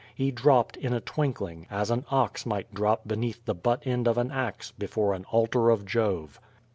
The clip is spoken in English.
He dropped, in a twinkling, as an ox might drop beneath the butt end of an axe, before an altar of Jove.